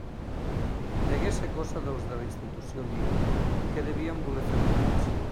Degué ser cosa dels de la Institució Lliure, que devien voler fer mèrits.